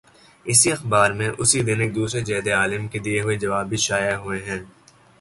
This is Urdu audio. اسی اخبار میں، اسی دن، ایک دوسرے جید عالم کے دیے ہوئے جواب بھی شائع ہوئے ہیں۔